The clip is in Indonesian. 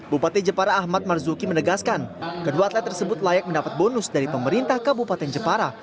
bupati jepara ahmad marzuki menegaskan kedua atlet tersebut layak mendapat bonus dari pemerintah kabupaten jepara